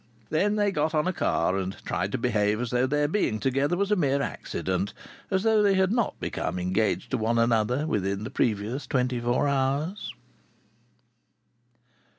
Then they got on a car, and tried to behave as though their being together was a mere accident, as though they had not become engaged to one another within the previous twenty four hours.